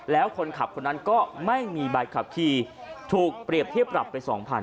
แล้วคนขับคนนั้นก็ไม่มีใบขับขี่ถูกเปรียบเทียบปรับไป๒๐๐๐